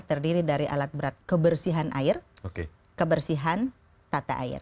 terdiri dari alat berat kebersihan air kebersihan tata air